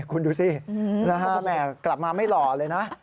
คุณดูสิแม่กลับมาไม่หล่อเลยนะ